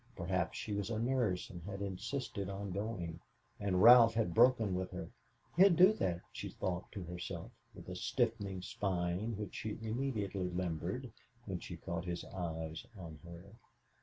Perhaps she was a nurse and had insisted on going, and Ralph had broken with her. He'd do that, she thought to herself, with a stiffening spine which she immediately limbered, when she caught his eyes on her.